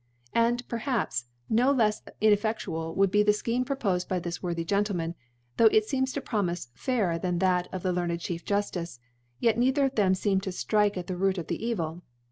And, perhaps, no lefs inefTe&ual would be the Scheme propofed by this worthy Gentleman, tho* it feems to promifc fairer than that of the learned Chief Jufticc; yet. neither of them feem to ilrike at the Root of the Evil.